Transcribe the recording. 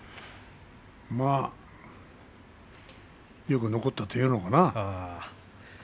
まあよく残ったというのかな。